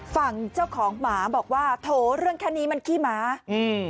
ฝั่งเจ้าของหมาบอกว่าโถเรื่องแค่นี้มันขี้หมาอืม